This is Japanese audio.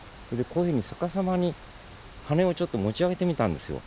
こういうふうに逆さまに羽をちょっと持ち上げてみたんですよ。